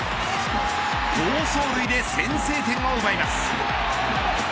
好走塁で先制点を奪います。